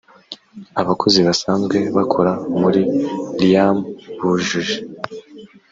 abakozi basanzwe bakora muri riam bujuje